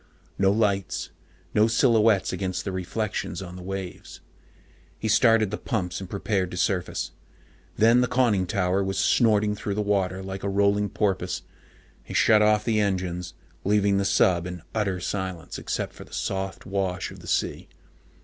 No lights, no silhouettes against the reflections on the waves. He started the pumps and prepared to surface. Then the conning tower was snorting through the water like a rolling porpoise. He shut off the engines, leaving the sub in utter silence except for the soft wash of the sea.